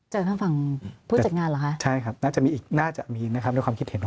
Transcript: เจอทางฝั่งผู้จัดงานเหรอคะใช่ครับน่าจะมีอีกด้วยความคิดเห็นของ